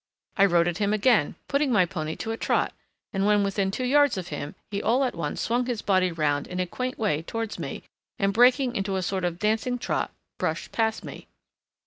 I rode at him again, putting my pony to a trot, and when within two yards of him he all at once swung his body round in a quaint way towards me, and breaking into a sort of dancing trot brushed past me.